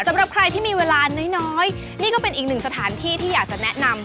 สำหรับใครที่มีเวลาน้อยนี่ก็เป็นอีกหนึ่งสถานที่ที่อยากจะแนะนำ